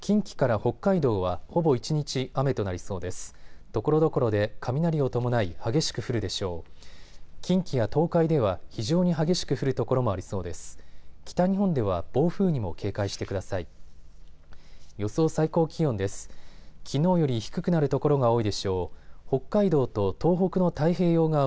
北日本では暴風にも警戒してください。